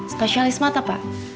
spesialis mata pak